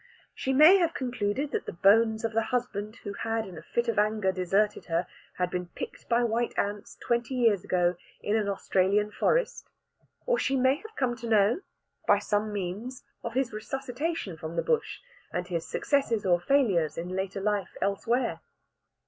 She may have concluded that the bones of the husband who had in a fit of anger deserted her had been picked by white ants, twenty years ago, in an Australian forest; or she may have come to know, by some means, of his resuscitation from the Bush, and his successes or failures in a later life elsewhere.